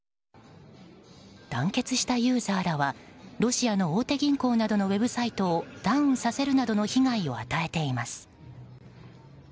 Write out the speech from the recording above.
団結したユーザーらはロシアの大手銀行などのウェブサイトをダウンさせるなどの被害を与えています。